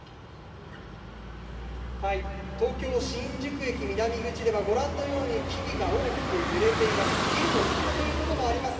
東京・新宿駅南口では、ご覧のように、木々が大きく揺れています。